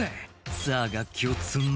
「さぁ楽器を積んで」